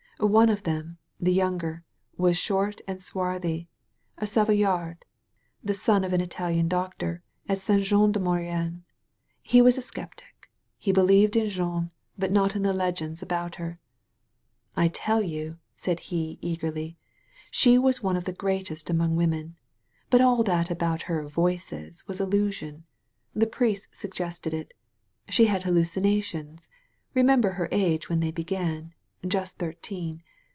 One of them» the younger, was short and swarthy, a Savoyard, the son of an Italian doctor at St. Jean de Maurienne. He was a sceptic; he believed in Jeanne, but not in the l^ends about her. "I tell you,*' said he eagerly, "she was one of the greatest among women. But all that about her 'voices' was illusion. The priests suggested it. She had hallucinations. Remember her age when they b^an — ^just thirteen.